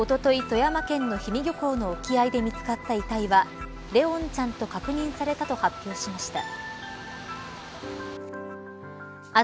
富山県の氷見漁港の沖合で見つかった遺体は怜音ちゃんと確認されたと発表しました。